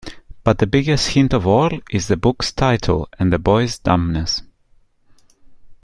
But the biggest hint of all is the book's title and the boy's dumbness.